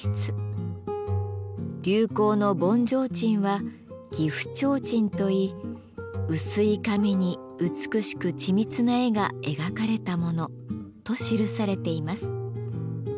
「流行の盆提灯は岐阜提灯といい薄い紙に美しく緻密な絵が描かれたもの」と記されています。